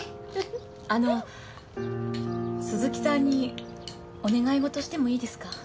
あの鈴木さんにお願い事をしてもいいですか？